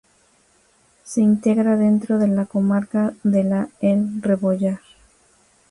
Se integra dentro de la comarca de la El Rebollar.